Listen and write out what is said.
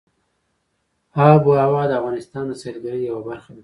آب وهوا د افغانستان د سیلګرۍ یوه برخه ده.